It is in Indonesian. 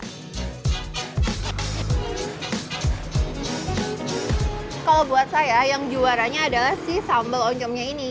kalau buat saya yang juaranya adalah si sambal oncomnya ini